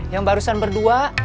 yang barusan berdua